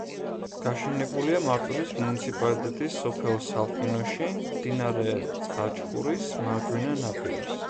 გაშენებულია მარტვილის მუნიციპალიტეტის სოფელ სალხინოში, მდინარე წაჩხურის მარჯვენა ნაპირას.